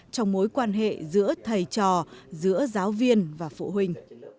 trong mối quan hệ giữa thầy trò giữa giáo viên và phụ huynh